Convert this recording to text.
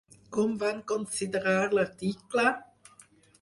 Com van considerar l'article?